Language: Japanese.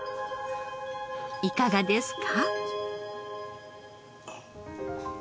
いかがですか？